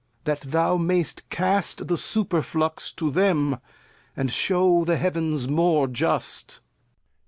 That thou may'st cast the Superflux to them, _And shew the Heav'ns more just.